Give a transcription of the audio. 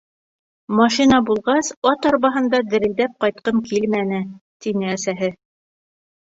— Машина булғас, ат арбаһында дерелдәп ҡайтҡы килмәне, -тине әсәһе.